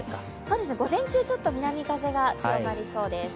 午前中、ちょっと南風が強まりそうです。